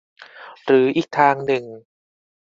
หรืออีกทางหนึ่ง